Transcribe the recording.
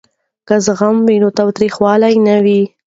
که زغم وي نو تریخوالی نه وي.